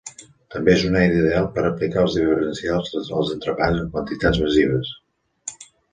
També és una eina ideal per aplicar els diferencials als entrepans en quantitats massives.